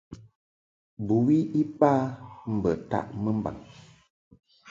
Bɨwi iba mbə taʼ mɨmbaŋ.